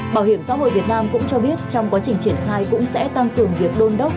bảo hiểm xã hội việt nam cũng cho biết trong quá trình triển khai cũng sẽ tăng cường việc đôn đốc